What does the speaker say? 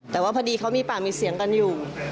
แต่ว่าพอดีเขามีปากมีเสียงกันอยู่